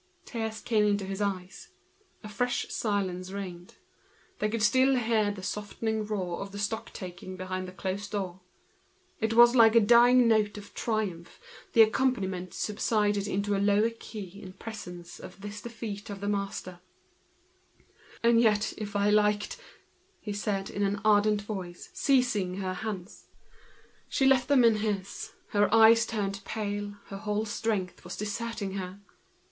Tears came into his eyes. A fresh silence reigned. They could still hear behind the closed door the softened roar of the stock taking. It was like a dying note of triumph, the accompaniment became more discreet, in this defeat of the master. "And yet if I liked—" said he in an ardent voice, seizing her hands. She left them in his, her eyes turned pale, her whole strength was deserting her.